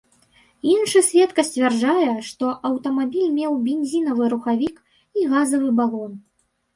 Іншы сведка сцвярджае, што аўтамабіль меў бензінавы рухавік і газавы балон.